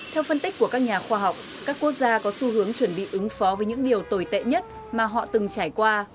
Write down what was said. theo phân tích của các nhà khoa học các quốc gia có xu hướng chuẩn bị ứng phó với những điều tồi tệ nhất mà họ từng trải qua